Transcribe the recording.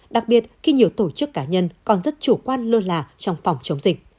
đặc biệt khi nhiều tổ chức cá nhân còn rất chủ quan lươn lạ trong phòng chống dịch